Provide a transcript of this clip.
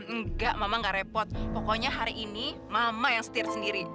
enggak mama gak repot pokoknya hari ini mama yang setir sendiri